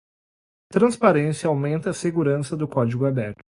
Transparência aumenta a segurança do código aberto.